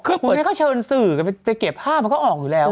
คุณเนี่ยก็เชิญสื่อกันไปเก็บภาพก็ออกอยู่แล้ว